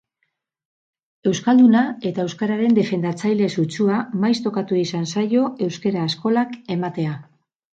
Euskalduna eta euskararen defendatzaile sutsua, maiz tokatu izan zaio euskara eskolak ematea.